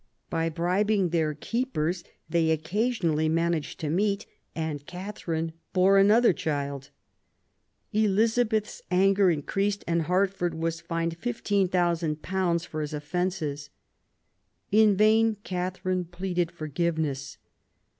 By bribing their keepers they occasionally managed to meet, and Catharine bore another child. Elizabeth's anger increased, and Hertford was fined ^^15,000 for his offences. In vain Catharine pleaded forgiveness.